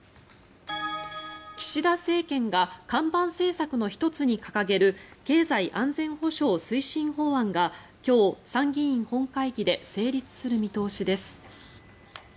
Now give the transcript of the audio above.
岸田政権が看板政策の１つに掲げる経済安全保障推進法案が今日、参議院本会議で成立する見通しです。